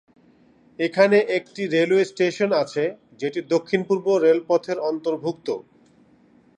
এখানে একটি railway station আছে যেটি দক্ষিণ-পূর্ব রেলপথের অন্তর্ভুক্ত।